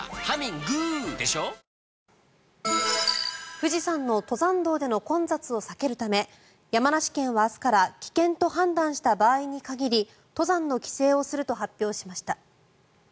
富士山の登山道での混雑を避けるため山梨県は明日から危険と判断した場合に限り登山の規制をすると発表しました。